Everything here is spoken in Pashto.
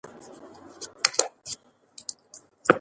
د علم او ادب پالنه وکړئ.